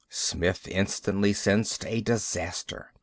Smith instantly sensed a disaster.